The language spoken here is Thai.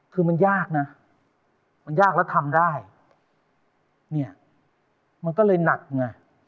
คือมันยากนะมันยากแล้วทำได้เนี่ยมันก็เลยหนักไง